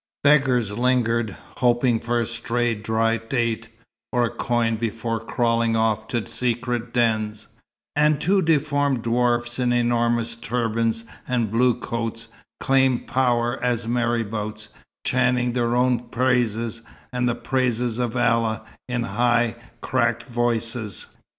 Beggars lingered, hoping for a stray dried date, or a coin before crawling off to secret dens; and two deformed dwarfs in enormous turbans and blue coats, claimed power as marabouts, chanting their own praises and the praises of Allah, in high, cracked voices.